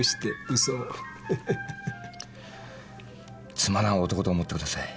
つまらん男と思ってください。